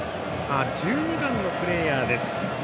１２番のプレーヤーです。